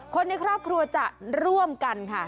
คนในครอบครัวจะร่วมกันค่ะ